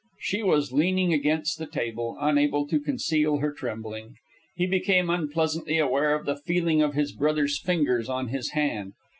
She was leaning against the table, unable to conceal her trembling. He became unpleasantly aware of the feeling of his brother's fingers on his hand.